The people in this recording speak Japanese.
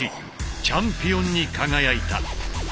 チャンピオンに輝いた。